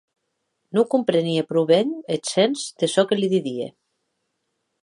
Non comprenie pro ben eth sens de çò que li didie.